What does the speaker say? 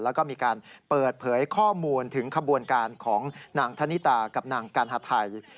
แล้วก็มีการเปิดเผยข้อมูลถึงขบวนการของนางธนิตากับนางกัณฑไทย